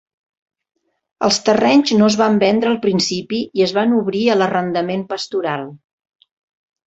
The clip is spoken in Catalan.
Els terrenys no es van vendre al principi i es van obrir a l'arrendament pastoral.